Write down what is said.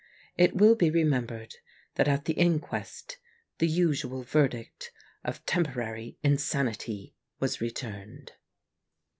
It will be remembered that at the inquest the usual verdict of temporary insanity was re turned.